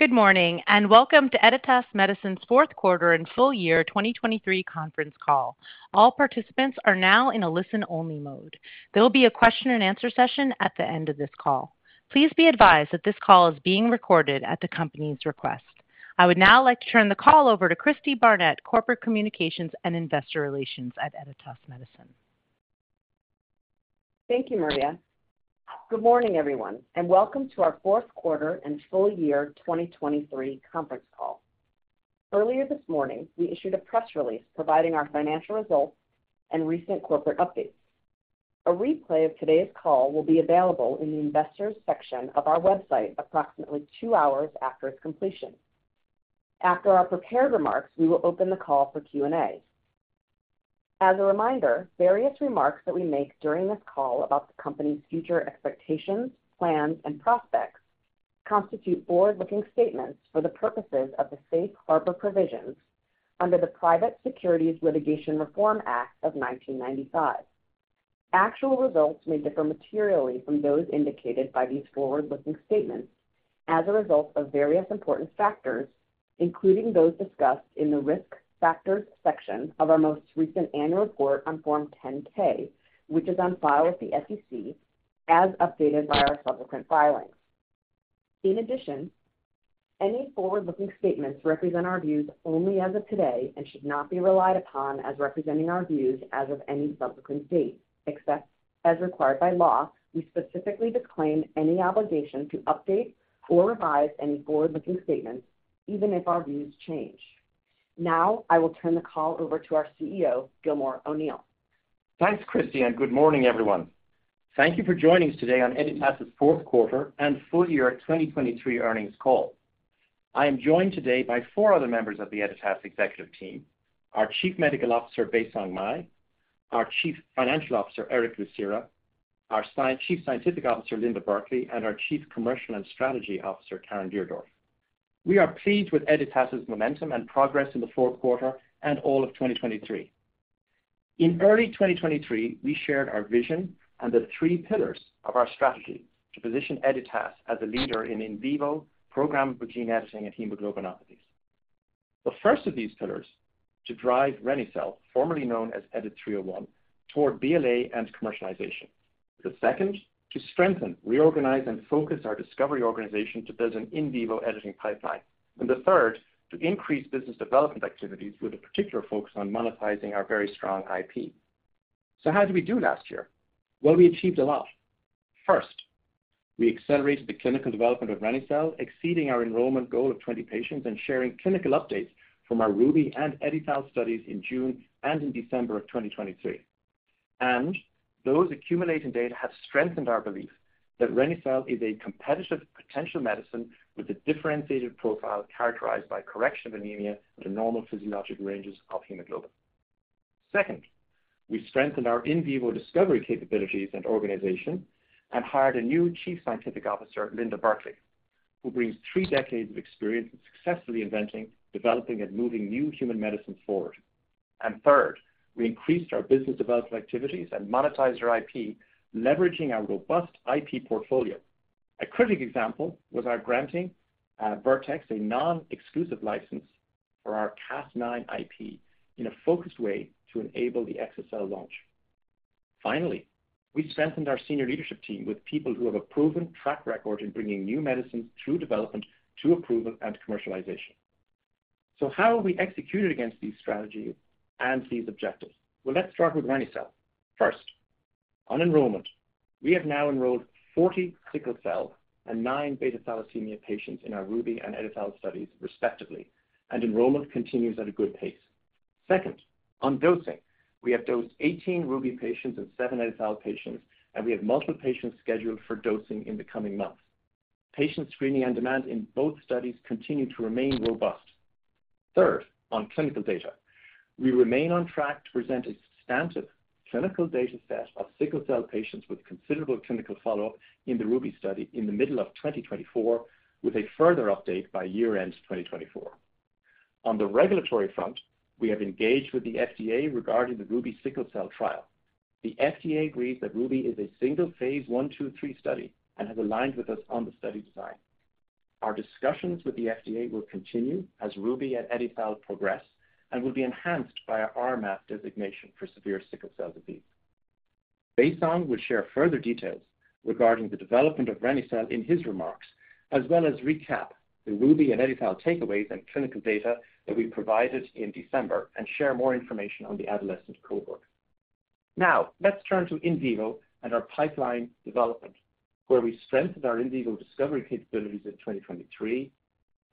Good morning, and welcome to Editas Medicine's fourth quarter and full year 2023 conference call. All participants are now in a listen-only mode. There will be a question and answer session at the end of this call. Please be advised that this call is being recorded at the company's request. I would now like to turn the call over to Cristi Barnett, Corporate Communications and Investor Relations at Editas Medicine. Thank you, Maria. Good morning, everyone, and welcome to our fourth quarter and full year 2023 conference call. Earlier this morning, we issued a press release providing our financial results and recent corporate updates. A replay of today's call will be available in the Investors section of our website approximately two hours after its completion. After our prepared remarks, we will open the call for Q&A. As a reminder, various remarks that we make during this call about the company's future expectations, plans, and prospects constitute forward-looking statements for the purposes of the Safe Harbor Provisions under the Private Securities Litigation Reform Act of 1995. Actual results may differ materially from those indicated by these forward-looking statements as a result of various important factors, including those discussed in the Risk Factors section of our most recent annual report on Form 10-K, which is on file with the SEC, as updated by our subsequent filings. In addition, any forward-looking statements represent our views only as of today and should not be relied upon as representing our views as of any subsequent date. Except as required by law, we specifically decline any obligation to update or revise any forward-looking statements, even if our views change. Now, I will turn the call over to our CEO, Gilmore O’Neill. Thanks, Cristi, and good morning, everyone. Thank you for joining us today on Editas's fourth quarter and full year 2023 earnings call. I am joined today by four other members of the Editas executive team, our Chief Medical Officer, Baisong Mei, our Chief Financial Officer, Erick Lucera, our Chief Scientific Officer, Linda Burkly, and our Chief Commercial and Strategy Officer, Caren Deardorf. We are pleased with Editas' momentum and progress in the fourth quarter and all of 2023. In early 2023, we shared our vision and the three pillars of our strategy to position Editas as a leader in in vivo programmed gene editing and hemoglobinopathies. The first of these pillars, to drive reni-cel, formerly known as EDIT-301, toward BLA and commercialization. The second, to strengthen, reorganize, and focus our discovery organization to build an in vivo editing pipeline. And the third, to increase business development activities with a particular focus on monetizing our very strong IP. So how did we do last year? Well, we achieved a lot. First, we accelerated the clinical development of reni-cel, exceeding our enrollment goal of 20 patients and sharing clinical updates from our RUBY and EdiTHAL studies in June and in December of 2023. And those accumulating data have strengthened our belief that reni-cel is a competitive potential medicine with a differentiated profile characterized by correction of anemia and the normal physiologic ranges of hemoglobin. Second, we strengthened our in vivo discovery capabilities and organization and hired a new Chief Scientific Officer, Linda Burkly, who brings three decades of experience in successfully inventing, developing, and moving new human medicines forward. And third, we increased our business development activities and monetized our IP, leveraging our robust IP portfolio. A critical example was our granting, Vertex, a non-exclusive license for our Cas9 IP in a focused way to enable the exa-cel launch. Finally, we strengthened our senior leadership team with people who have a proven track record in bringing new medicines through development to approval and commercialization. So how have we executed against these strategies and these objectives? Well, let's start with reni-cel. First, on enrollment, we have now enrolled 40 sickle cell and nine beta thalassemia patients in our RUBY and EdiTHAL studies, respectively, and enrollment continues at a good pace. Second, on dosing, we have dosed 18 RUBY patients and seven EdiTHAL patients, and we have multiple patients scheduled for dosing in the coming months. Patient screening and demand in both studies continue to remain robust. Third, on clinical data, we remain on track to present a substantive clinical data set of sickle cell patients with considerable clinical follow-up in the RUBY study in the middle of 2024, with a further update by year-end 2024. On the regulatory front, we have engaged with the FDA regarding the RUBY sickle cell trial. The FDA agrees that RUBY is a single phase I/II/III study and has aligned with us on the study design. Our discussions with the FDA will continue as RUBY and EdiTHAL progress and will be enhanced by our RMAT designation for severe sickle cell disease. Baisong will share further details regarding the development of reni-cel in his remarks, as well as recap the RUBY and EdiTHAL takeaways and clinical data that we provided in December, and share more information on the adolescent cohort. Now, let's turn to in vivo and our pipeline development, where we strengthened our in vivo discovery capabilities in 2023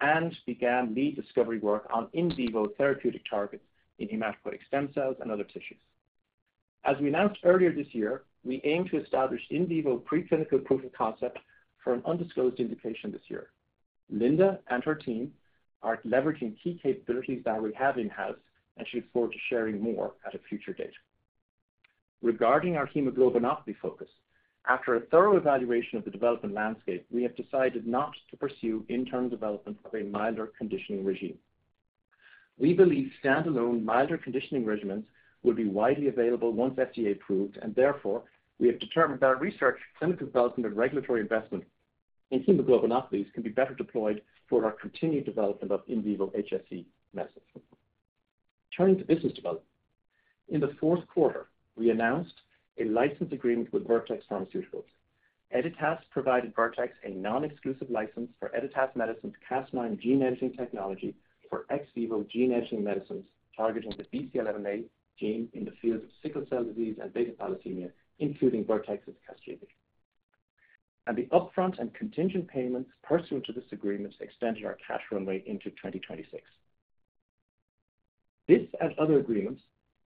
and began lead discovery work on in vivo therapeutic targets in hematopoietic stem cells and other tissues. As we announced earlier this year, we aim to establish in vivo preclinical proof of concept for an undisclosed indication this year. Linda and her team are leveraging key capabilities that we have in-house, and she looks forward to sharing more at a future date. Regarding our hemoglobinopathy focus, after a thorough evaluation of the development landscape, we have decided not to pursue internal development of a milder conditioning regimen. We believe standalone milder conditioning regimens will be widely available once FDA approved, and therefore, we have determined that our research, clinical development, and regulatory investment in hemoglobinopathies can be better deployed toward our continued development of in vivo HSC medicines. Turning to business development. In the fourth quarter, we announced a license agreement with Vertex Pharmaceuticals. Editas provided Vertex a non-exclusive license for Editas Medicine's Cas9 gene editing technology for ex vivo gene editing medicines targeting the BCL11A gene in the fields of sickle cell disease and beta thalassemia, including Vertex's CASGEVY. The upfront and contingent payments pursuant to this agreement extended our cash runway into 2026. This and other agreements,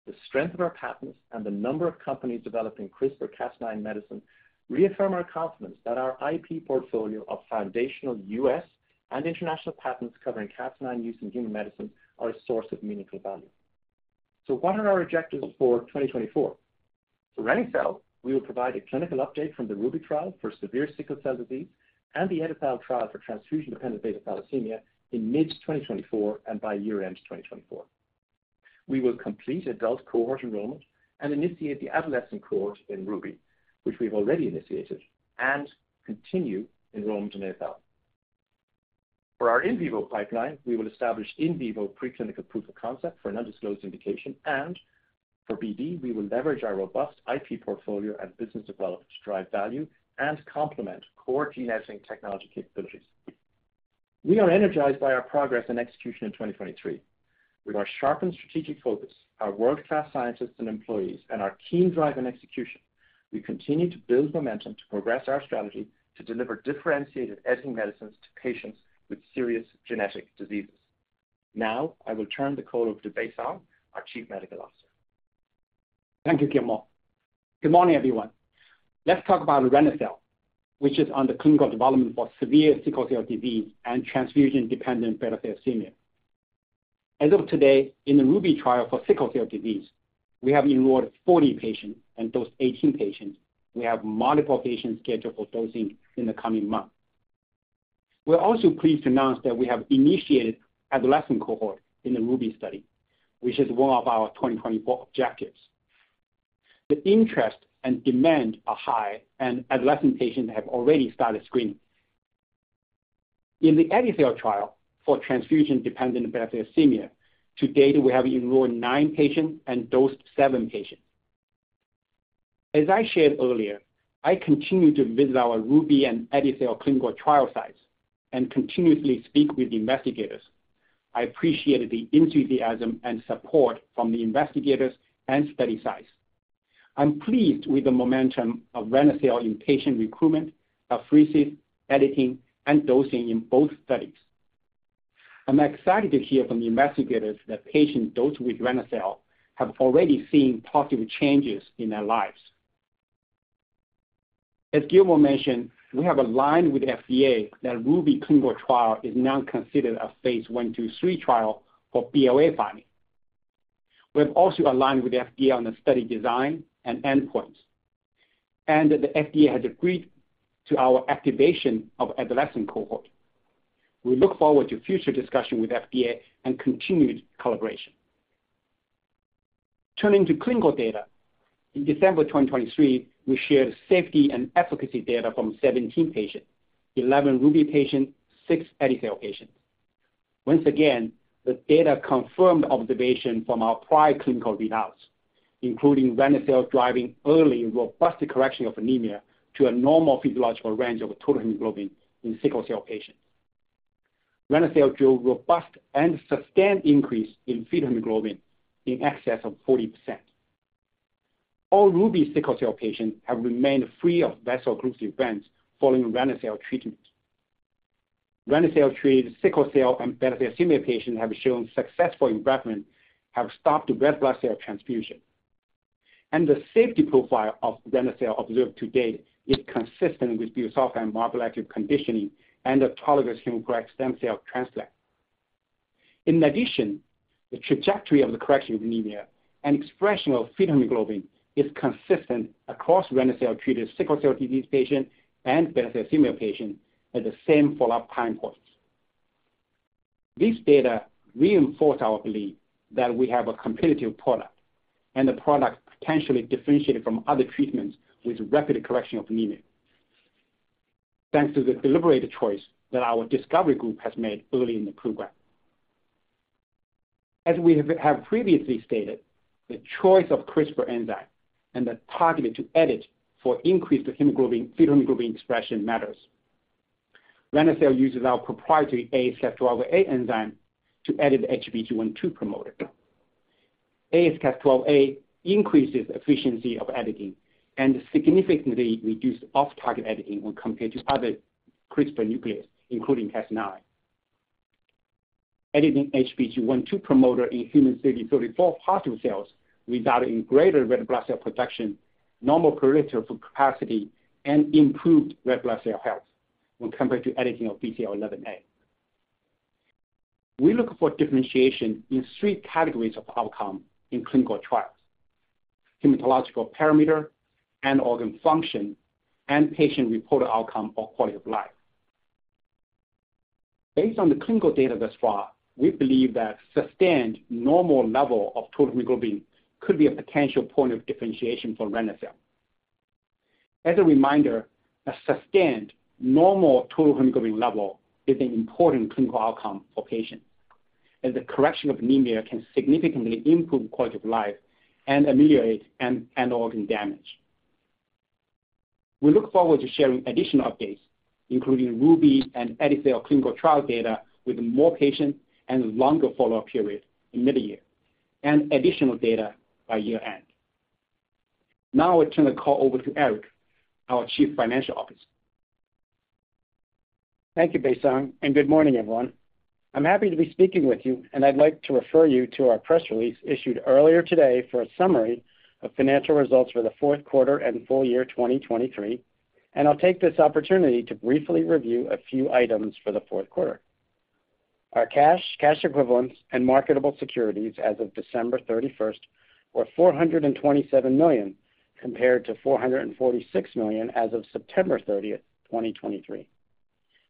the strength of our patents, and the number of companies developing CRISPR-Cas9 medicine, reaffirm our confidence that our IP portfolio of foundational U.S. and international patents covering Cas9 use in human medicines are a source of meaningful value. What are our objectives for 2024? For reni-cel, we will provide a clinical update from the RUBY trial for severe sickle cell disease and the EdiTHAL trial for transfusion-dependent beta thalassemia in mid-2024 and by year-end 2024. We will complete adult cohort enrollment and initiate the adolescent cohort in RUBY, which we've already initiated, and continue enrollment in EdiTHAL. For our in vivo pipeline, we will establish in vivo preclinical proof of concept for an undisclosed indication, and for BD, we will leverage our robust IP portfolio and business development to drive value and complement core gene editing technology capabilities. We are energized by our progress and execution in 2023. With our sharpened strategic focus, our world-class scientists and employees, and our keen drive and execution, we continue to build momentum to progress our strategy to deliver differentiated editing medicines to patients with serious genetic diseases. Now, I will turn the call over to Baisong, our Chief Medical Officer. Thank you, Gilmore. Good morning, everyone. Let's talk about reni-cel, which is on the clinical development for severe sickle cell disease and transfusion-dependent beta thalassemia. As of today, in the RUBY trial for sickle cell disease, we have enrolled nine patients and dosed 18 patients. We have multiple patients scheduled for dosing in the coming months. We're also pleased to announce that we have initiated adolescent cohort in the RUBY study, which is one of our 2024 objectives. The interest and demand are high, and adolescent patients have already started screening. In the EdiTHAL trial for transfusion-dependent beta thalassemia, to date, we have enrolled nine patients and dosed seven patients. As I shared earlier, I continue to visit our RUBY and EdiTHAL clinical trial sites and continuously speak with investigators. I appreciate the enthusiasm and support from the investigators and study sites. I'm pleased with the momentum of reni-cel in patient recruitment, apheresis, editing, and dosing in both studies. I'm excited to hear from the investigators that patients dosed with reni-cel have already seen positive changes in their lives. As Gilmore mentioned, we have aligned with FDA that RUBY clinical trial is now considered a phase I to III trial for BLA filing. We have also aligned with the FDA on the study design and endpoints, and the FDA has agreed to our activation of adolescent cohort. We look forward to future discussion with FDA and continued collaboration. Turning to clinical data, in December 2023, we shared safety and efficacy data from 17 patients, 11 RUBY patients, six EdiTHAL patients. Once again, the data confirmed observation from our prior clinical readouts, including reni-cel driving early, robust correction of anemia to a normal physiological range of total hemoglobin in sickle cell patients. Reni-cel showed robust and sustained increase in fetal hemoglobin in excess of 40%. All RUBY sickle cell patients have remained free of vaso-occlusive events following reni-cel treatment. Reni-cel-treated sickle cell and beta thalassemia patients have shown successful engraftment, have stopped red blood cell transfusion. The safety profile of reni-cel observed to date is consistent with busulfan and melphalan conditioning and autologous hematopoietic stem cell transplant. In addition, the trajectory of the correction of anemia and expression of fetal hemoglobin is consistent across reni-cel-treated sickle cell disease patients and beta thalassemia patients at the same follow-up time points. This data reinforce our belief that we have a competitive product, and the product potentially differentiated from other treatments with rapid correction of anemia. Thanks to the deliberate choice that our discovery group has made early in the program. As we have previously stated, the choice of CRISPR enzyme and the target to edit for increased hemoglobin, fetal hemoglobin expression matters. Reni-cel uses our proprietary AsCas12a enzyme to edit HBG2 promoter. AsCas12a increases efficiency of editing and significantly reduced off-target editing when compared to other CRISPR nucleases, including Cas9. Editing HBG2 promoter in human CD34+ cells resulted in greater red blood cell production, normal peripheral blood capacity, and improved red blood cell health when compared to editing of BCL11A. We look for differentiation in three categories of outcome in clinical trials, hematological parameter, end organ function, and patient-reported outcome of quality of life. Based on the clinical data thus far, we believe that sustained normal level of total hemoglobin could be a potential point of differentiation for reni-cel. As a reminder, a sustained normal total hemoglobin level is an important clinical outcome for patients, as the correction of anemia can significantly improve quality of life and ameliorate end organ damage. We look forward to sharing additional updates, including RUBY and EdiTHAL clinical trial data, with more patients and longer follow-up period in mid-year, and additional data by year-end. Now I turn the call over to Erick, our Chief Financial Officer. Thank you, Baisong, and good morning, everyone. I'm happy to be speaking with you, and I'd like to refer you to our press release issued earlier today for a summary of financial results for the fourth quarter and full year 2023, and I'll take this opportunity to briefly review a few items for the fourth quarter. Our cash, cash equivalents, and marketable securities as of December 31st were $427 million, compared to $446 million as of September 30th, 2023.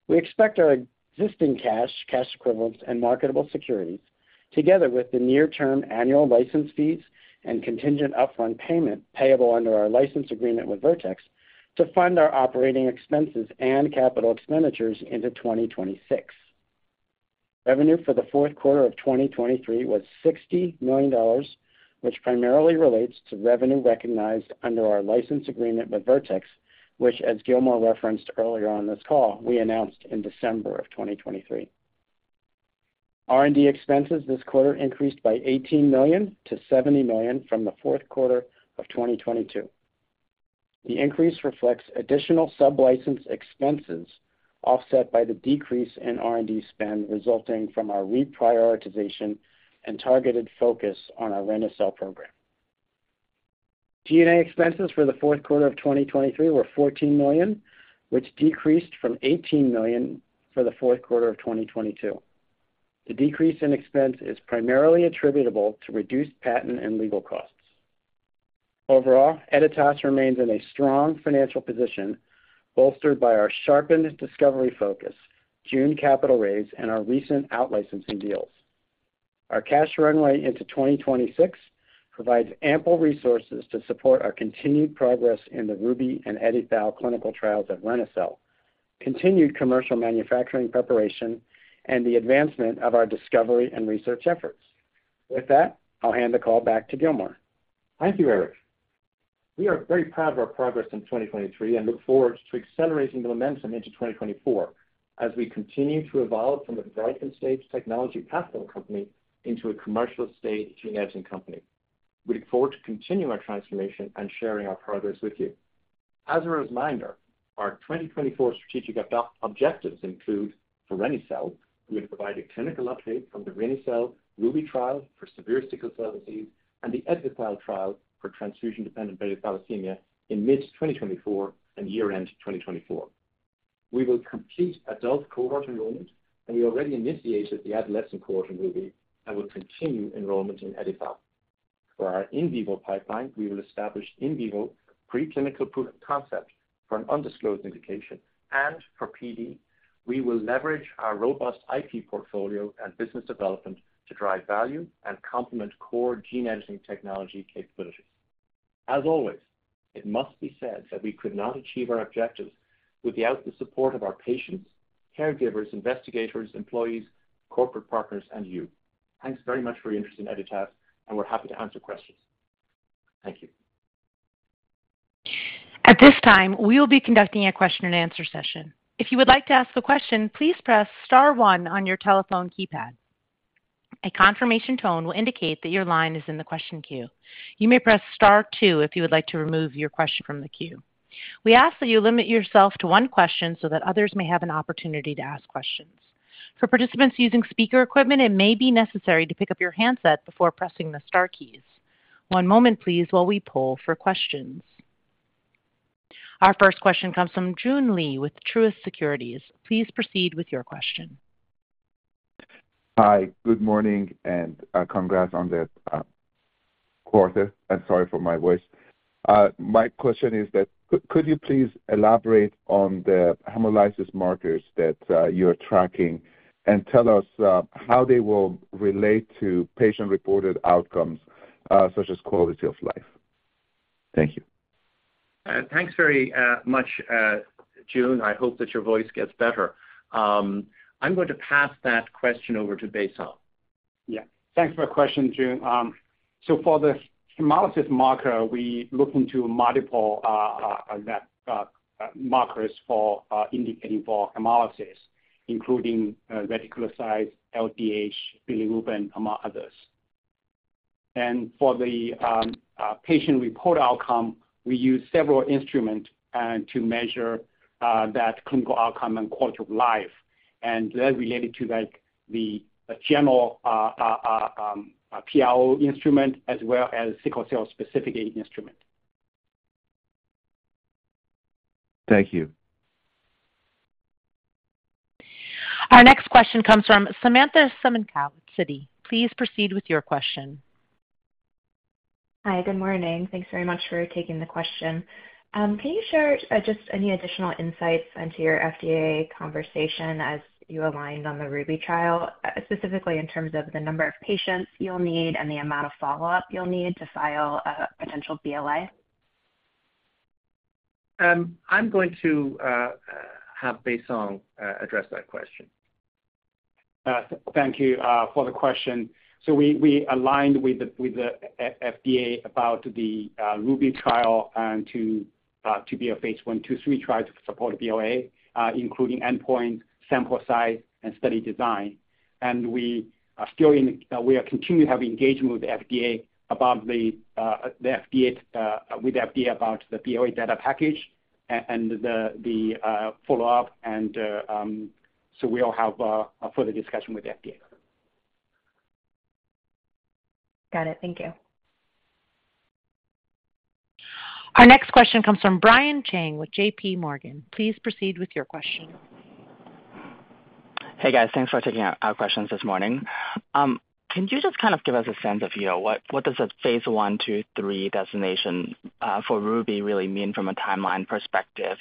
We expect our existing cash, cash equivalents, and marketable securities, together with the near-term annual license fees and contingent upfront payment payable under our license agreement with Vertex, to fund our operating expenses and capital expenditures into 2026. Revenue for the fourth quarter of 2023 was $60 million, which primarily relates to revenue recognized under our license agreement with Vertex, which, as Gilmore referenced earlier on this call, we announced in December of 2023. R&D expenses this quarter increased by $18 million to $70 million from the fourth quarter of 2022. The increase reflects additional sublicense expenses, offset by the decrease in R&D spend resulting from our reprioritization and targeted focus on our reni-cel program. G&A expenses for the fourth quarter of 2023 were $14 million, which decreased from $18 million for the fourth quarter of 2022. The decrease in expense is primarily attributable to reduced patent and legal costs. Overall, Editas remains in a strong financial position, bolstered by our sharpened discovery focus, June capital raise, and our recent out-licensing deals. Our cash runway into 2026 provides ample resources to support our continued progress in the RUBY and EdiTHAL clinical trials at reni-cel, continued commercial manufacturing preparation, and the advancement of our discovery and research efforts. With that, I'll hand the call back to Gilmore. Thank you, Erick. We are very proud of our progress in 2023 and look forward to accelerating the momentum into 2024 as we continue to evolve from a development stage technology platform company into a commercial stage gene editing company. We look forward to continuing our transformation and sharing our progress with you. As a reminder, our 2024 strategic objectives include, for reni-cel, we will provide a clinical update from the reni-cel RUBY trial for severe sickle cell disease and the EdiTHAL trial for transfusion-dependent beta thalassemia in mid-2024 and year-end 2024. We will complete adult cohort enrollment, and we already initiated the adolescent cohort in RUBY and will continue enrollment in EdiTHAL. For our in vivo pipeline, we will establish in vivo preclinical proof of concept for an undisclosed indication, and for BD, we will leverage our robust IP portfolio and business development to drive value and complement core gene editing technology capabilities. As always, it must be said that we could not achieve our objectives without the support of our patients, caregivers, investigators, employees, corporate partners, and you. Thanks very much for your interest in Editas, and we're happy to answer questions. Thank you. At this time, we will be conducting a question-and-answer session. If you would like to ask a question, please press star one on your telephone keypad. A confirmation tone will indicate that your line is in the question queue. You may press star two if you would like to remove your question from the queue. We ask that you limit yourself to one question so that others may have an opportunity to ask questions. For participants using speaker equipment, it may be necessary to pick up your handset before pressing the star keys. One moment, please, while we poll for questions. Our first question comes from Joon Lee with Truist Securities. Please proceed with your question. Hi, good morning, and congrats on the quarter, and sorry for my voice. My question is, could you please elaborate on the hemolysis markers that you're tracking, and tell us how they will relate to patient-reported outcomes, such as quality of life? Thank you. Thanks very much, Joon. I hope that your voice gets better. I'm going to pass that question over to Baisong. Yeah. Thanks for the question, Joon. So for the hemolysis marker, we look into multiple markers for indicating hemolysis, including reticulocyte, LDH, bilirubin, among others. And for the patient-reported outcome, we use several instruments to measure that clinical outcome and quality of life, and that related to, like, the general PRO instrument, as well as sickle cell-specific aid instrument. Thank you. Our next question comes from Samantha Semenkow at Citi. Please proceed with your question. Hi, good morning. Thanks very much for taking the question. Can you share just any additional insights into your FDA conversation as you aligned on the RUBY trial, specifically in terms of the number of patients you'll need and the amount of follow-up you'll need to file a potential BLA? I'm going to have Baisong address that question. Thank you for the question. So we aligned with the FDA about the RUBY trial and to be a phase I/II/III trial to support BLA, including endpoint, sample size, and study design. We are continuing to have engagement with the FDA about the BLA data package and the follow-up, so we'll have a further discussion with the FDA. Got it. Thank you. Our next question comes from Brian Cheng with JPMorgan. Please proceed with your question. Hey, guys. Thanks for taking our questions this morning. Can you just kind of give us a sense of, you know, what does a phase I/II/III designation for RUBY really mean from a timeline perspective?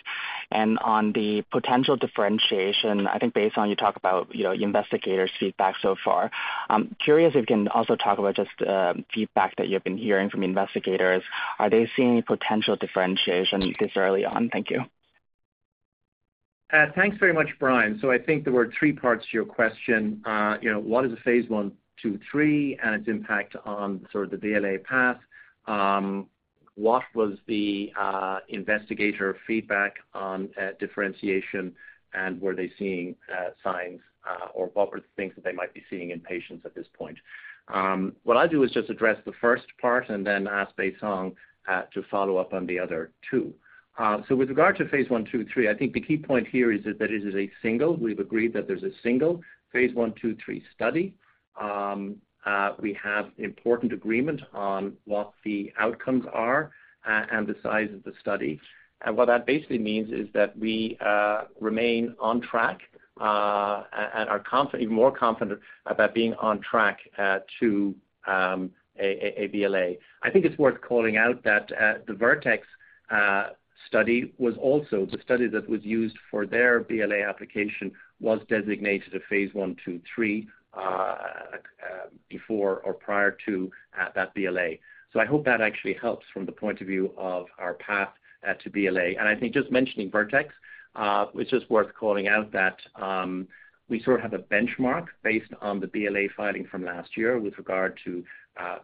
And on the potential differentiation, I think based on you talk about, you know, the investigators' feedback so far, I'm curious if you can also talk about just feedback that you've been hearing from investigators. Are they seeing potential differentiation this early on? Thank you. Thanks very much, Brian. So I think there were three parts to your question. You know, what is the phase I/II/III, and its impact on sort of the BLA path? What was the investigator feedback on differentiation, and were they seeing signs or what were the things that they might be seeing in patients at this point? What I'll do is just address the first part and then ask Baisong to follow up on the other two. So with regard to phase I/II/III, I think the key point here is that it is a single. We've agreed that there's a single phase I/II/III study. We have important agreement on what the outcomes are and the size of the study. What that basically means is that we remain on track and are confident, even more confident about being on track to a BLA. I think it's worth calling out that the Vertex study was also the study that was used for their BLA application, was designated a phase I/II/III before or prior to that BLA. So I hope that actually helps from the point of view of our path to BLA. I think just mentioning Vertex, it's just worth calling out that we sort of have a benchmark based on the BLA filing from last year with regard to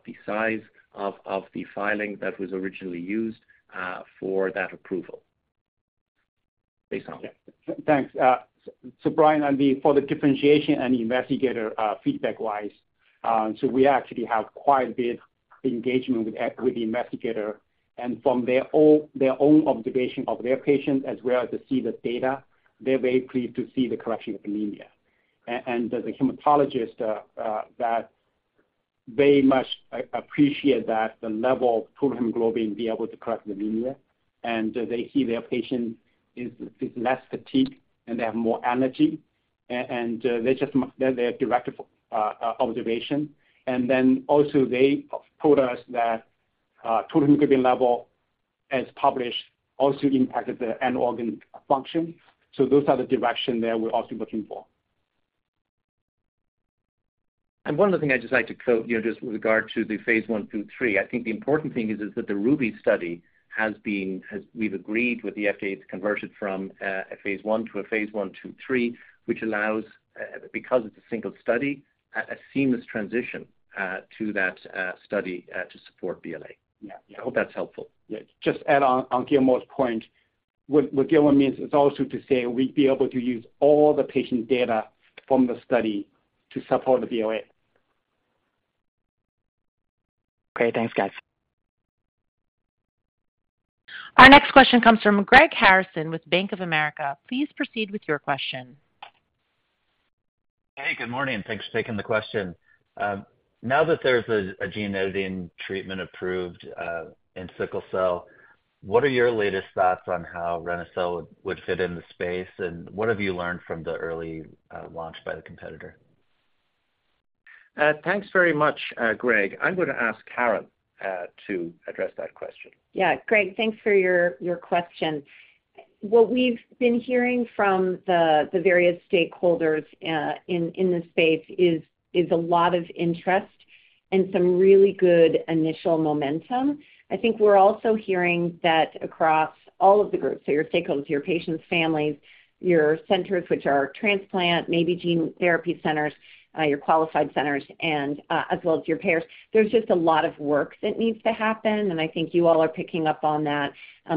the size of the filing that was originally used for that approval. Baisong? Yeah. Thanks. So Brian, on the, for the differentiation and investigator feedback-wise, so we actually have quite a bit engagement with the investigator. And from their own, their own observation of their patients, as well as to see the data, they're very pleased to see the correction of anemia. And the hematologist that very much appreciate that the level of total hemoglobin be able to correct anemia, and they see their patient is less fatigued, and they have more energy, and they just, their direct observation. And then also they told us that total hemoglobin level, as published, also impacted the end organ function. So those are the direction that we're also looking for. One other thing I'd just like to quote, you know, just with regard to the phase I/II/III, I think the important thing is that the RUBY study has been, we've agreed with the FDA to convert it from a phase I to a phase I/II/III, which allows, because it's a single study, a seamless transition to that study to support BLA. Yeah. I hope that's helpful. Yeah, just add on to Gilmore's point, what Gilmore means is also to say we'd be able to use all the patient data from the study to support the BLA. Great. Thanks, guys. Our next question comes from Greg Harrison with Bank of America. Please proceed with your question. Hey, good morning, and thanks for taking the question. Now that there's a gene editing treatment approved in sickle cell, what are your latest thoughts on how reni-cel would fit in the space, and what have you learned from the early launch by the competitor? Thanks very much, Greg. I'm going to ask Caren to address that question. Yeah, Greg, thanks for your, your question. What we've been hearing from the, the various stakeholders in, in this space is, is a lot of interest and some really good initial momentum. I think we're also hearing that across all of the groups, so your stakeholders, your patients, families, your centers, which are transplant, maybe gene therapy centers, your qualified centers, and, as well as your payers, there's just a lot of work that needs to happen, and I think you all are picking up on that.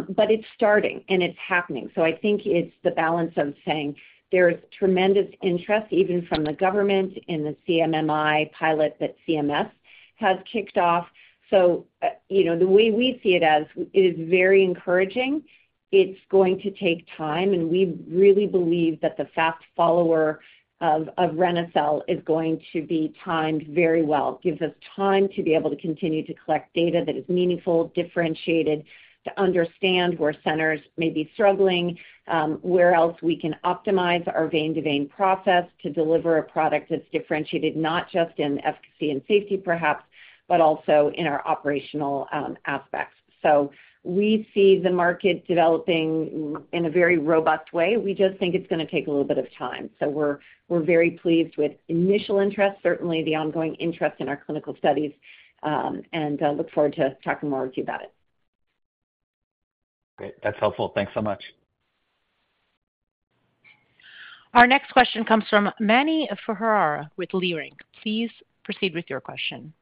But it's starting, and it's happening. So I think it's the balance of saying there is tremendous interest, even from the government and the CMMI pilot that CMS has kicked off. So, you know, the way we see it as it is very encouraging. It's going to take time, and we really believe that the fast follower of reni-cel is going to be timed very well. Gives us time to be able to continue to collect data that is meaningful, differentiated, to understand where centers may be struggling, where else we can optimize our vein-to-vein process to deliver a product that's differentiated, not just in efficacy and safety, perhaps, but also in our operational aspects. So we see the market developing in a very robust way. We just think it's gonna take a little bit of time. So we're, we're very pleased with initial interest, certainly the ongoing interest in our clinical studies, and look forward to talking more with you about it. Great, that's helpful. Thanks so much. Our next question comes from Mani Foroohar with Leerink. Please proceed with your question.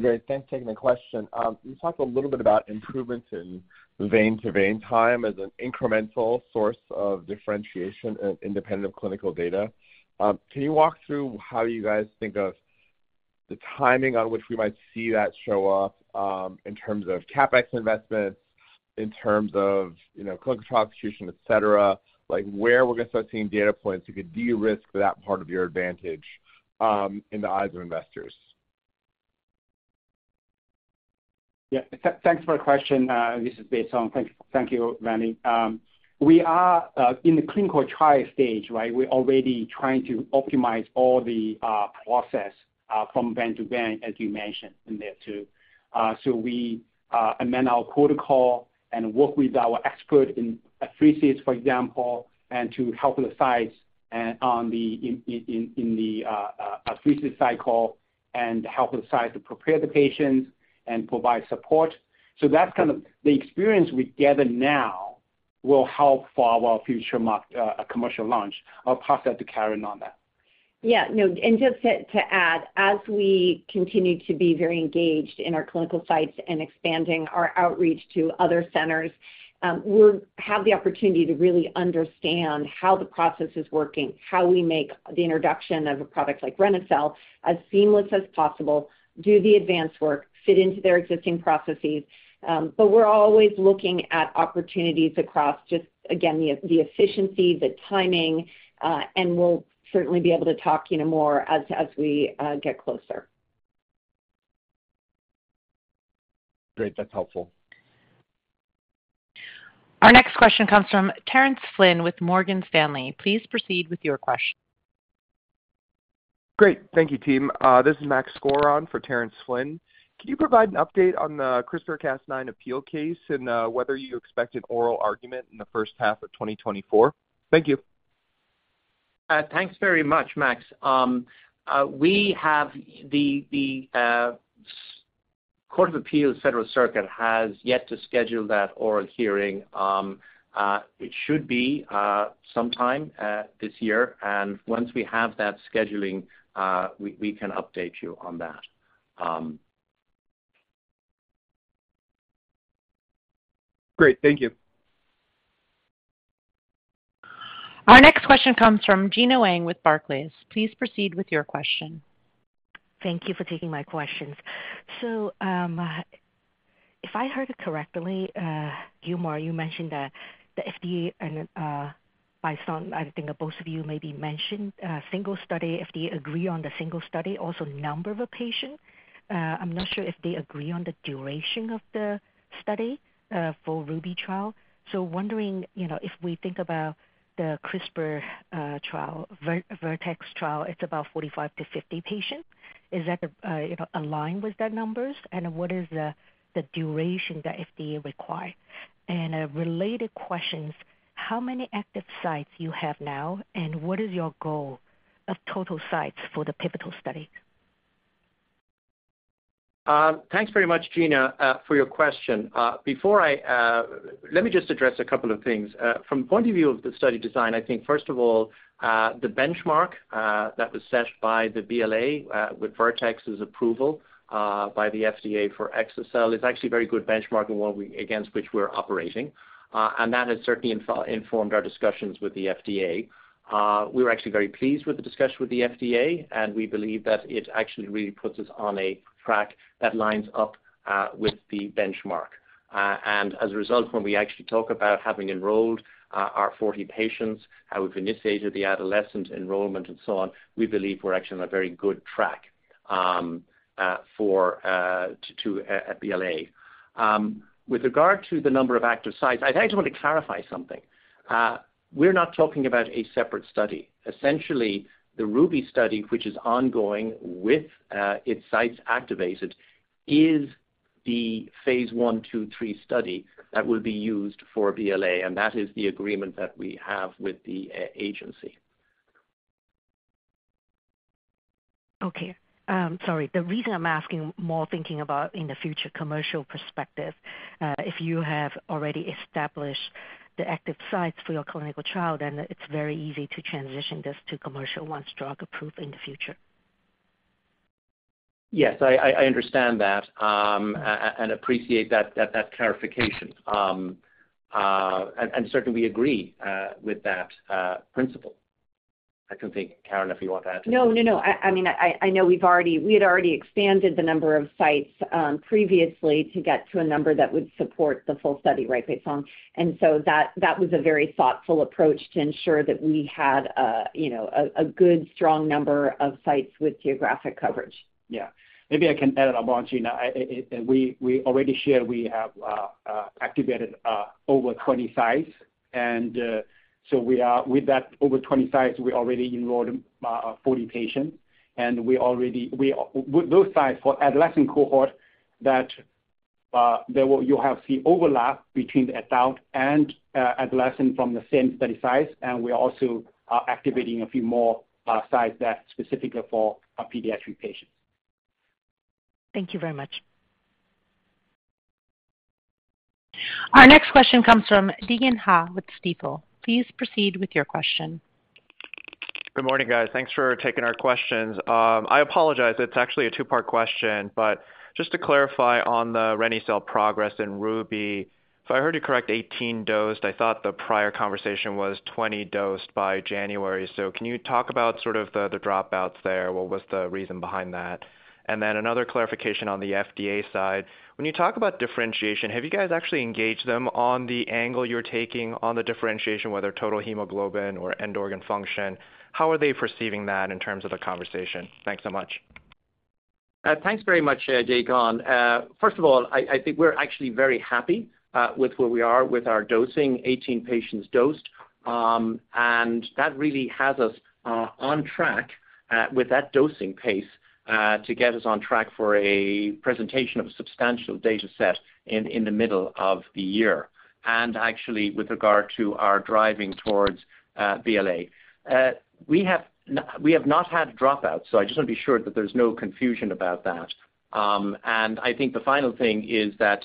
Great, thanks for taking the question. You talked a little bit about improvements in vein-to-vein time as an incremental source of differentiation and independent clinical data. Can you walk through how you guys think of the timing on which we might see that show up, in terms of CapEx investments, in terms of, you know, clinical execution, et cetera? Like, where we're gonna start seeing data points you could de-risk that part of your advantage, in the eyes of investors. Yeah, thanks for the question. This is Baisong Mei. Thank you, Manny. We are in the clinical trial stage, right? We're already trying to optimize all the process from vein to vein, as you mentioned in there, too. So we amend our protocol and work with our expert in apheresis, for example, and to help the sites and on the apheresis cycle and help the sites to prepare the patients and provide support. So that's kind of the experience we gather now will help for our future commercial launch. I'll pass that to Caren on that. Yeah, no, and just to add, as we continue to be very engaged in our clinical sites and expanding our outreach to other centers, we'll have the opportunity to really understand how the process is working, how we make the introduction of a product like reni-cel as seamless as possible, do the advance work, fit into their existing processes. But we're always looking at opportunities across just, again, the efficiency, the timing, and we'll certainly be able to talk, you know, more as we get closer. Great. That's helpful. Our next question comes from Terence Flynn with Morgan Stanley. Please proceed with your question. Great. Thank you, team. This is Max Skor for Terence Flynn. Can you provide an update on the CRISPR-Cas9 appeal case and whether you expect an oral argument in the first half of 2024? Thank you. Thanks very much, Max. The U.S. Court of Appeals for the Federal Circuit has yet to schedule that oral hearing. It should be sometime this year, and once we have that scheduling, we can update you on that. Great. Thank you. Our next question comes from Gena Wang with Barclays. Please proceed with your question. Thank you for taking my questions. So, if I heard it correctly, Gilmore, you mentioned that the FDA and, by some, I think both of you maybe mentioned, single study, FDA agree on the single study, also number of a patient. I'm not sure if they agree on the duration of the study for RUBY trial. So wondering, you know, if we think about the CRISPR trial, Vertex trial, it's about 45-50 patients. Is that, you know, aligned with that numbers? And what is the, the duration that FDA require? And related questions: How many active sites you have now, and what is your goal of total sites for the pivotal study? Thanks very much, Gena, for your question. Before I, let me just address a couple of things. From point of view of the study design, I think, first of all, the benchmark that was set by the BLA with Vertex's approval by the FDA for exa-cel is actually a very good benchmark and one we, against which we're operating, and that has certainly informed our discussions with the FDA. We're actually very pleased with the discussion with the FDA, and we believe that it actually really puts us on a track that lines up with the benchmark. And as a result, when we actually talk about having enrolled our 40 patients, how we've initiated the adolescent enrollment and so on, we believe we're actually on a very good track for a BLA. With regard to the number of active sites, I just want to clarify something. We're not talking about a separate study. Essentially, the RUBY study, which is ongoing with its sites activated, is the phase I/II/III study that will be used for BLA, and that is the agreement that we have with the agency. Okay. Sorry. The reason I'm asking more, thinking about in the future commercial perspective, if you have already established the active sites for your clinical trial, then it's very easy to transition this to commercial once drug approved in the future. Yes, I understand that and appreciate that clarification. Certainly, we agree with that principle. I can think, Caren, if you want to add? No, no, no. I, I mean, I, I know we've already, we had already expanded the number of sites, previously to get to a number that would support the full study, right, Baisong? And so that, that was a very thoughtful approach to ensure that we had, you know, a, a good, strong number of sites with geographic coverage. Yeah. Maybe I can add on, Gena. We already shared we have activated over 20 sites, and so we are. With that over 20 sites, we already enrolled 40 patients, and those sites for adolescent cohort that there will you have the overlap between the adult and adolescent from the same study sites, and we are also activating a few more sites that specifically for our pediatric patients. Thank you very much. Our next question comes from Dae Gon Ha with Stifel. Please proceed with your question. Good morning, guys. Thanks for taking our questions. I apologize, it's actually a two-part question, but just to clarify on the reni-cel progress in RUBY. So I heard you correct 18 dosed. I thought the prior conversation was 20 dosed by January. So can you talk about sort of the dropouts there? What was the reason behind that? And then another clarification on the FDA side. When you talk about differentiation, have you guys actually engaged them on the angle you're taking on the differentiation, whether total hemoglobin or end organ function? How are they perceiving that in terms of the conversation? Thanks so much. Thanks very much, Dae Gon. First of all, I think we're actually very happy with where we are with our dosing, 18 patients dosed, and that really has us on track with that dosing pace to get us on track for a presentation of a substantial data set in the middle of the year, and actually with regard to our driving towards BLA. We have not had dropouts, so I just want to be sure that there's no confusion about that. And I think the final thing is that,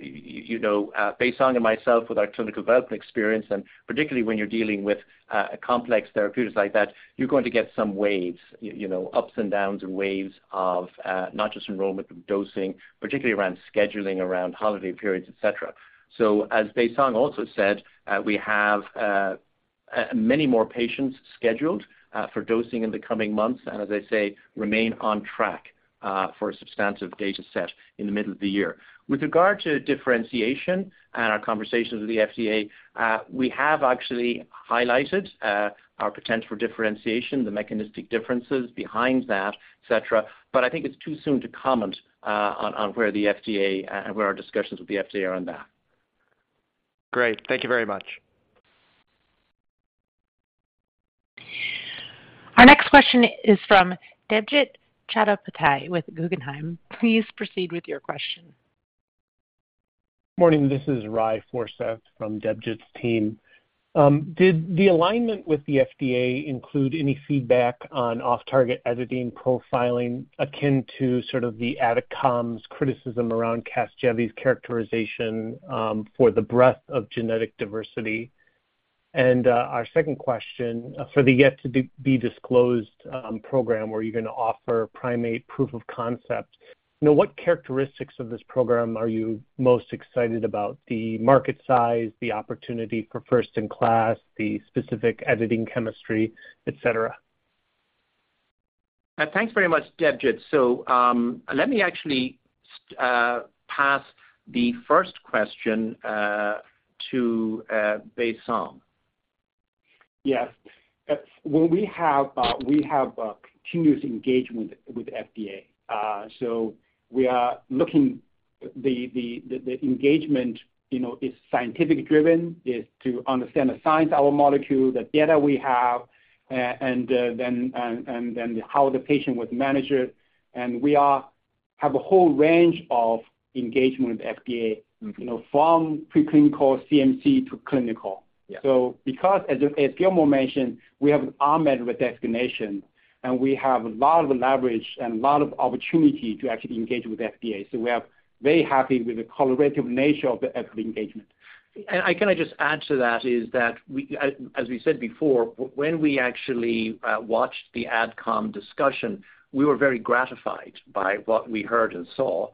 you know, Baisong and myself, with our clinical development experience, and particularly when you're dealing with a complex therapeutics like that, you're going to get some waves, you know, ups and downs and waves of not just enrollment, but dosing, particularly around scheduling, around holiday periods, et cetera. So as Baisong also said, we have many more patients scheduled for dosing in the coming months, and as I say, remain on track for a substantive data set in the middle of the year. With regard to differentiation and our conversations with the FDA, we have actually highlighted our potential for differentiation, the mechanistic differences behind that, et cetera, but I think it's too soon to comment on where the FDA and where our discussions with the FDA are on that. Great. Thank you very much. Our next question is from Debjit Chattopadhyay with Guggenheim. Please proceed with your question. Morning, this is Ry Forseth from Debjit's team. Did the alignment with the FDA include any feedback on off-target editing, profiling, akin to sort of the AdCom's criticism around CASGEVY's characterization, for the breadth of genetic diversity? And, our second question, for the yet-to-be-disclosed program, were you gonna offer primate proof of concept? You know, what characteristics of this program are you most excited about? The market size, the opportunity for first in class, the specific editing chemistry, et cetera. Thanks very much, Debjit. So, let me actually pass the first question to Baisong. Yes. Well, we have a continuous engagement with FDA. So we are looking, the engagement, you know, is scientific driven, is to understand the science of our molecule, the data we have, and then how the patient would manage it. And we have a whole range of engagement with the FDA- Mm-hmm. You know, from preclinical CMC to clinical. Yeah. So because, as, as Gilmore mentioned, we have an RMAT designation, and we have a lot of leverage and a lot of opportunity to actually engage with FDA. So we are very happy with the collaborative nature of the engagement. And can I just add to that, is that we, as we said before, when we actually watched the AdCom discussion, we were very gratified by what we heard and saw,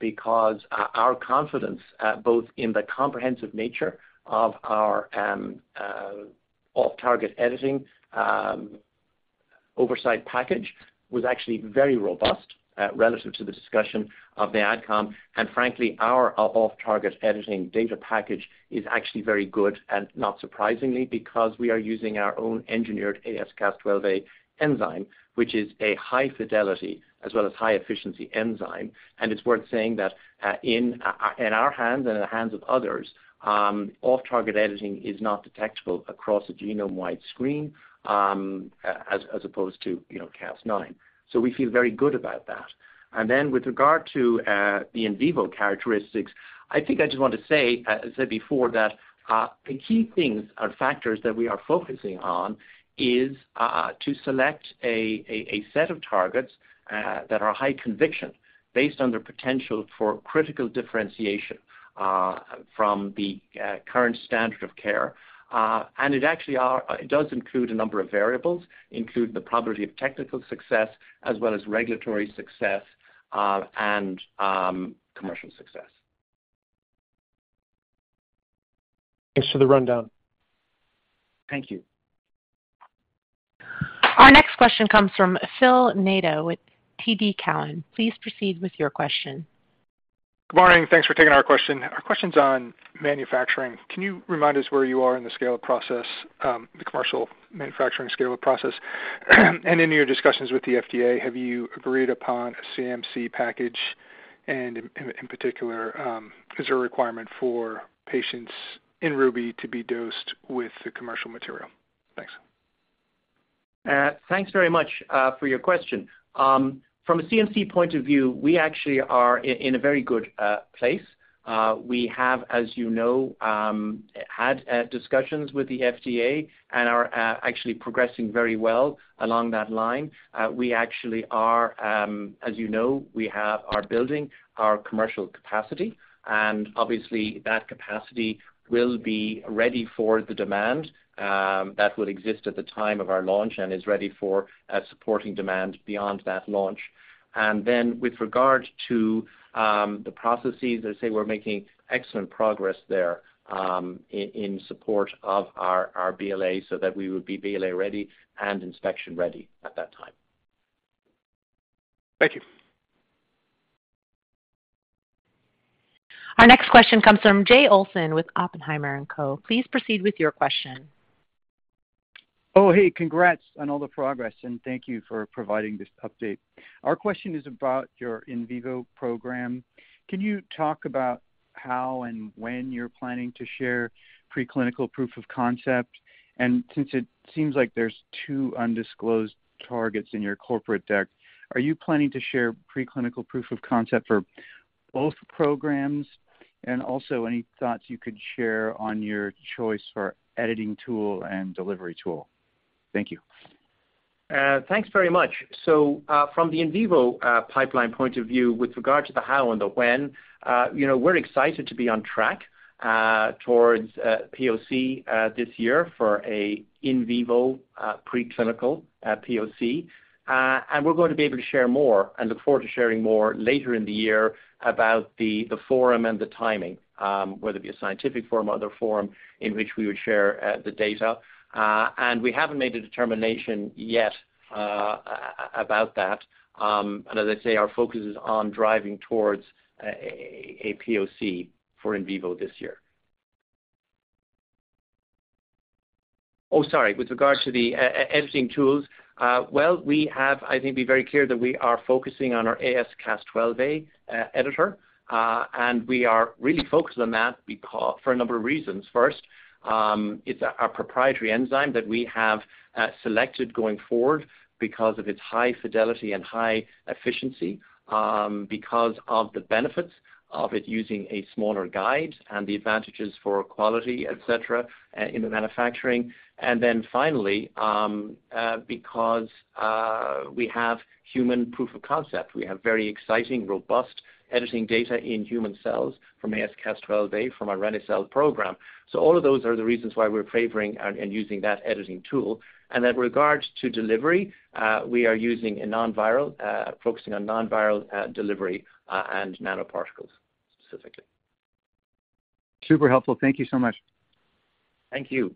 because our confidence, both in the comprehensive nature of our off-target editing oversight package, was actually very robust, relative to the discussion of the AdCom. And frankly, our off-target editing data package is actually very good, and not surprisingly, because we are using our own engineered AsCas12a enzyme, which is a high-fidelity as well as high-efficiency enzyme. And it's worth saying that, in our hands and in the hands of others, off-target editing is not detectable across a genome-wide screen, as opposed to, you know, Cas9. So we feel very good about that. And then with regard to the in vivo characteristics, I think I just want to say, I said before that the key things or factors that we are focusing on is to select a set of targets that are high conviction based on their potential for critical differentiation from the current standard of care. It does include a number of variables, including the probability of technical success as well as regulatory success and commercial success. Thanks for the rundown. Thank you. Our next question comes from Phil Nadeau with TD Cowen. Please proceed with your question. Good morning. Thanks for taking our question. Our question's on manufacturing. Can you remind us where you are in the scale-up process, the commercial manufacturing scale-up process? And in your discussions with the FDA, have you agreed upon a CMC package? And in particular, is there a requirement for patients in RUBY to be dosed with the commercial material? Thanks. Thanks very much for your question. From a CMC point of view, we actually are in a very good place. We have, as you know, had discussions with the FDA and are actually progressing very well along that line. We actually are, as you know, are building our commercial capacity, and obviously, that capacity will be ready for the demand that would exist at the time of our launch and is ready for supporting demand beyond that launch. And then, with regard to the processes, I'd say we're making excellent progress there in support of our BLA, so that we would be BLA-ready and inspection-ready at that time. Thank you. Our next question comes from Jay Olson with Oppenheimer & Co. Please proceed with your question. Oh, hey, congrats on all the progress, and thank you for providing this update. Our question is about your in vivo program. Can you talk about how and when you're planning to share preclinical proof of concept? And since it seems like there's two undisclosed targets in your corporate deck, are you planning to share preclinical proof of concept for both programs? And also, any thoughts you could share on your choice for editing tool and delivery tool? Thank you. Thanks very much. So, from the in vivo pipeline point of view, with regard to the how and the when, you know, we're excited to be on track towards POC this year for an in vivo preclinical POC. And we're going to be able to share more and look forward to sharing more later in the year about the forum and the timing, whether it be a scientific forum or other forum, in which we would share the data. And we haven't made a determination yet about that. And as I say, our focus is on driving towards a POC for in vivo this year. Oh, sorry, with regard to the editing tools, well, we have. I think, be very clear that we are focusing on our AsCas12a editor, and we are really focused on that for a number of reasons. First, it's our proprietary enzyme that we have selected going forward because of its high fidelity and high efficiency, because of the benefits of it using a smaller guide and the advantages for quality, et cetera, in the manufacturing. And then finally, because we have human proof of concept. We have very exciting, robust editing data in human cells from AsCas12a, from our reni-cel program. So all of those are the reasons why we're favoring and using that editing tool. And then, regards to delivery, we are using non-viral, focusing on non-viral delivery, and nanoparticles, specifically. Super helpful. Thank you so much. Thank you.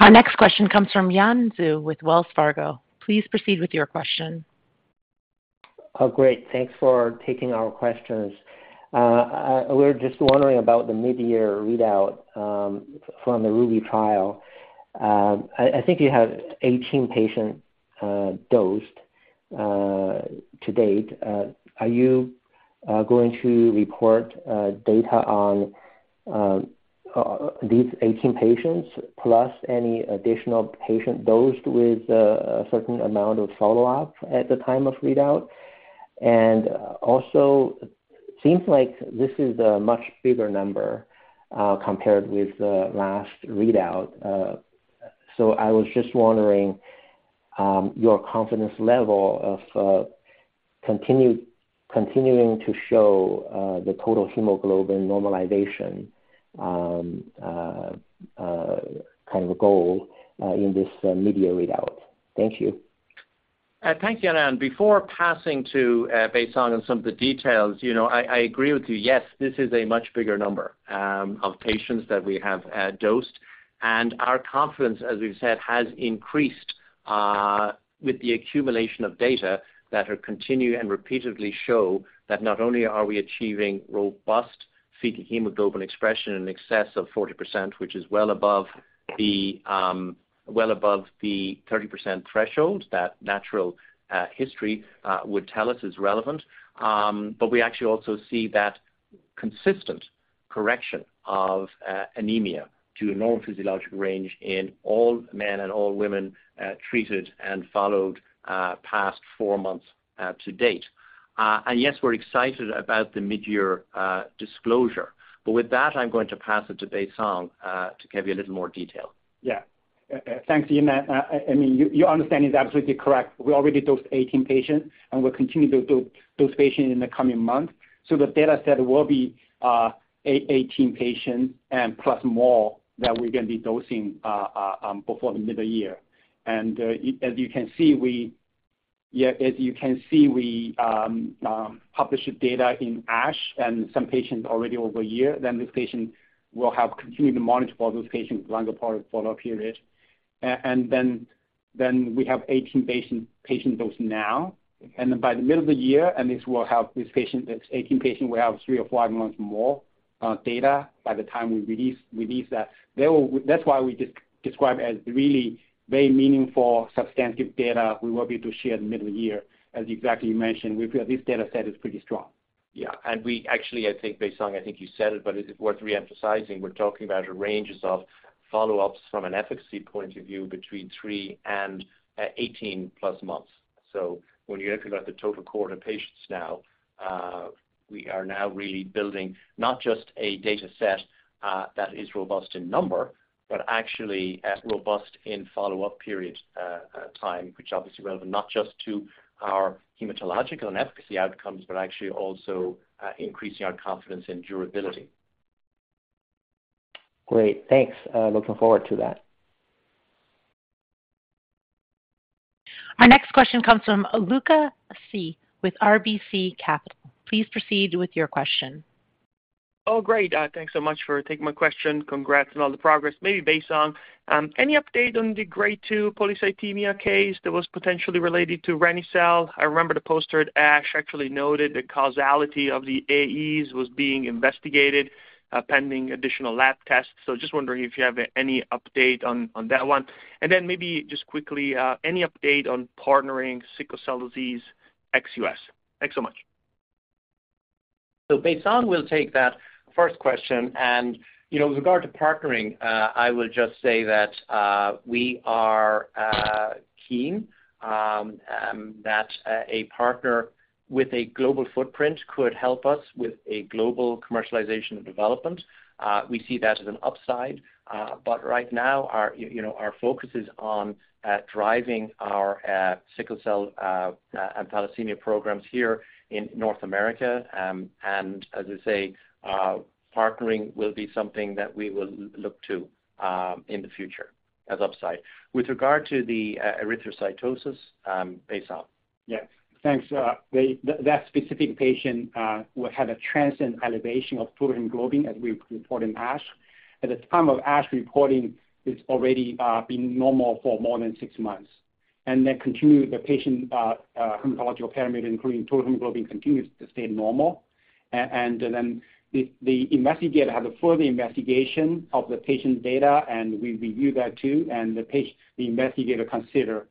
Our next question comes from Yan Zhu with Wells Fargo. Please proceed with your question. Oh, great. Thanks for taking our questions. We're just wondering about the mid-year readout from the RUBY trial. I think you have 18 patients dosed to date. Are you going to report data on these 18 patients, plus any additional patient dosed with a certain amount of follow-up at the time of readout? Also, seems like this is a much bigger number compared with the last readout, so I was just wondering your confidence level of continuing to show the total hemoglobin normalization kind of a goal in this mid-year readout. Thank you. Thank you, Yan. Before passing to Baisong on some of the details, you know, I agree with you. Yes, this is a much bigger number of patients that we have dosed, and our confidence, as we've said, has increased with the accumulation of data that continue and repeatedly show that not only are we achieving robust fetal hemoglobin expression in excess of 40%, which is well above the well above the 30% threshold, that natural history would tell us is relevant. But we actually also see that consistent correction of anemia to a normal physiological range in all men and all women treated and followed past four months to date. Yes, we're excited about the mid-year disclosure. But with that, I'm going to pass it to Baisong, to give you a little more detail. Yeah. Thanks, Yan. I mean, your understanding is absolutely correct. We already dosed 18 patients, and we're continuing to dose those patients in the coming months. So the data set will be 18 patients and plus more, that we're gonna be dosing before the middle of the year. And as you can see, we publish data in ASH and some patients already over a year. Then this patient will help continue to monitor for those patients longer follow-up period. And then we have 18 patient dose now, and by the middle of the year, and this will help this patient, this 18 patient, we have three or five months more data by the time we release that. That's why we describe as really very meaningful, substantive data we will be able to share the middle of the year. As exactly you mentioned, we feel this data set is pretty strong. Yeah, and we actually, I think, Baisong, I think you said it, but it is worth re-emphasizing. We're talking about ranges of follow-ups from an efficacy point of view between 3 and 18+ months. So when you think about the total cohort of patients now, we are now really building not just a data set that is robust in number, but actually as robust in follow-up period time, which obviously relevant not just to our hematological and efficacy outcomes, but actually also increasing our confidence in durability. Great, thanks. Looking forward to that. Our next question comes from Luca Issi with RBC Capital. Please proceed with your question. Oh, great, thanks so much for taking my question. Congrats on all the progress. Maybe Baisong, any update on the grade 2 polycythemia case that was potentially related to reni-cel? I remember the poster at ASH actually noted the causality of the AEs was being investigated, pending additional lab tests. So just wondering if you have any update on, on that one. And then maybe just quickly, any update on partnering sickle cell disease ex-U.S.? Thanks so much. So Baisong will take that first question. And, you know, with regard to partnering, I will just say that we are keen that a partner with a global footprint could help us with a global commercialization and development. We see that as an upside. But right now, you know, our focus is on driving our sickle cell and thalassemia programs here in North America. And as I say, partnering will be something that we will look to in the future as upside. With regard to the erythrocytosis, Baisong. Yes, thanks, the, that specific patient had a transient elevation of total hemoglobin, as we reported in ASH. At the time of ASH reporting, it's already been normal for more than six months. And then continue the patient hematological parameter, including total hemoglobin, continues to stay normal. And then the investigator had a further investigation of the patient data, and we review that too, and the patient, the investigator consider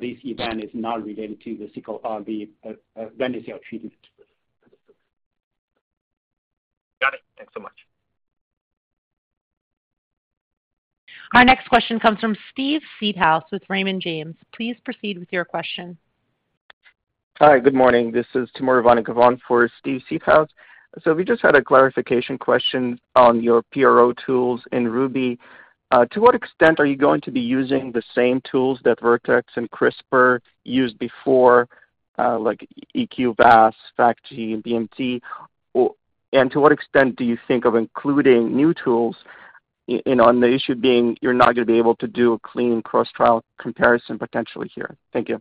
this event is not related to the sickle or the reni-cel treatment. Got it. Thanks so much. Our next question comes from Steve Seedhouse with Raymond James. Please proceed with your question. Hi, good morning. This is Timur Ivannikov for Steve Seedhouse. So we just had a clarification question on your PRO tools in RUBY. To what extent are you going to be using the same tools that Vertex and CRISPR used before, like EQ-VAS, [PHACG], and BMT? And to what extent do you think of including new tools and on the issue being, you're not going to be able to do a clean cross-trial comparison potentially here? Thank you.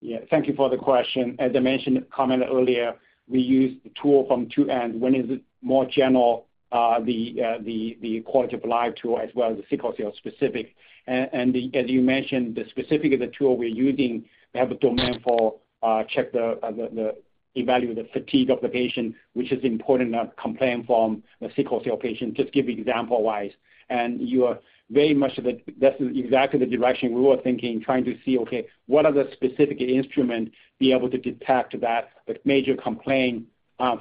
Yeah, thank you for the question. As I mentioned, commented earlier, we use the tool from two ends. One is more general, the quality of life tool, as well as the sickle cell specific. And as you mentioned, the specific of the tool we're using, we have a domain for check the evaluate the fatigue of the patient, which is important complaint from a sickle cell patient. Just give example-wise, and you are very much of the, that's exactly the direction we were thinking, trying to see, okay, what are the specific instrument be able to detect that, the major complaint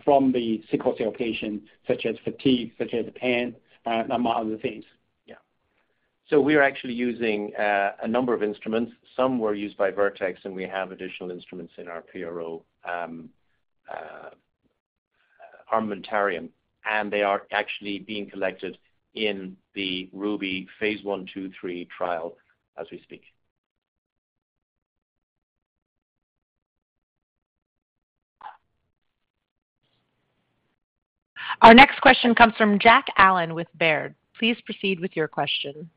from the sickle cell patient, such as fatigue, such as pain, among other things. Yeah. So we are actually using a number of instruments. Some were used by Vertex, and we have additional instruments in our PRO armamentarium, and they are actually being collected in the RUBY phase I/II/III trial as we speak. Our next question comes from Jack Allen with Baird. Please proceed with your question.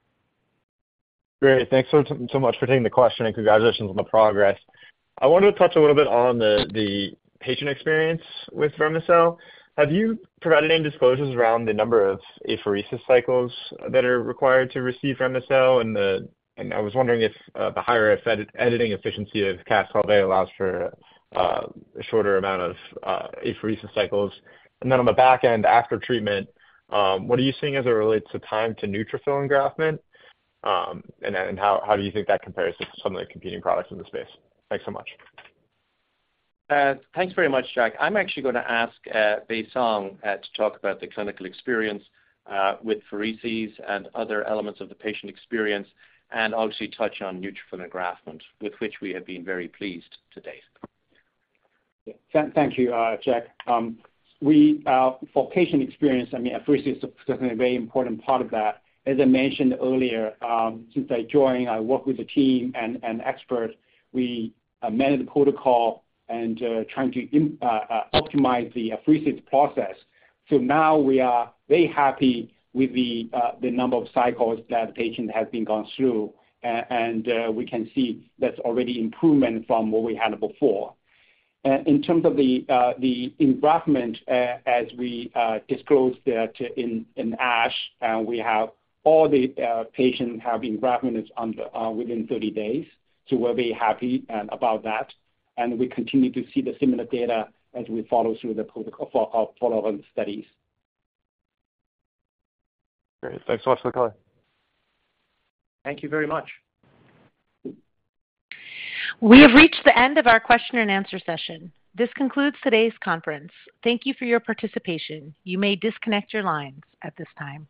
Great, thanks so, so much for taking the question, and congratulations on the progress. I wanted to touch a little bit on the patient experience with reni-cel. Have you provided any disclosures around the number of apheresis cycles that are required to receive reni-cel? And I was wondering if the higher editing efficiency of AsCas12a allows for a shorter amount of apheresis cycles. And then on the back end, after treatment, what are you seeing as it relates to time to neutrophil engraftment? And how do you think that compares to some of the competing products in the space? Thanks so much. Thanks very much, Jack. I'm actually going to ask, Baisong, to talk about the clinical experience with apheresis and other elements of the patient experience, and obviously touch on neutrophil engraftment, with which we have been very pleased to date. Yeah. Thank you, Jack. We, for patient experience, I mean, apheresis is definitely a very important part of that. As I mentioned earlier, since I joined, I work with the team and expert. We amended the protocol and trying to optimize the apheresis process. So now we are very happy with the number of cycles that patient has been gone through, and we can see that's already improvement from what we had before. In terms of the engraftment, as we disclosed in ASH, we have all the patients have engraftment within 30 days, so we're very happy about that, and we continue to see the similar data as we follow through the protocol for our follow-on studies. Great. Thanks so much for the call. Thank you very much. We have reached the end of our question and answer session. This concludes today's conference. Thank you for your participation. You may disconnect your lines at this time.